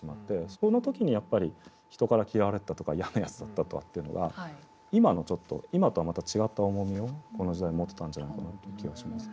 その時にやっぱり人から嫌われてたとか嫌なやつだったというのは今のちょっと今とはまた違った重みをこの時代持ってたんじゃないかなという気はします。